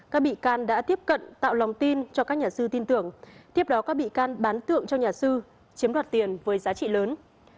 các bị can đã tiếp cận tạo lòng tin cho các nhà sư tin tưởng tiếp đó các bị can bán tượng cho nhà sư chiếm đoạt tiền với giá trị lớn